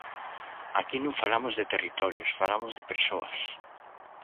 Aquí non falamos de territorios, falamos de persoas.